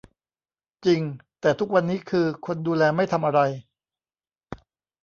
จริง แต่ทุกวันนี้คือ คนดูแลไม่ทำอะไร